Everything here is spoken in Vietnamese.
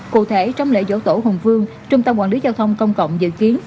cụ thể trong lễ dỗ tổ hùng vương trung tâm quản lý giao thông công cộng dự kiến